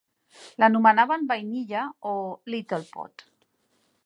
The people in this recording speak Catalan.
L'anomenaven "vainilla" o "little pod".